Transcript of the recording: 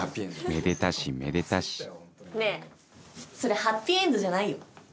めでたしめでたしねぇそれハッピーエンドじゃないよ。